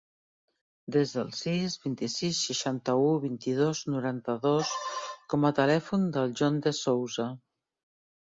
Desa el sis, vint-i-sis, seixanta-u, vint-i-dos, noranta-dos com a telèfon del John De Souza.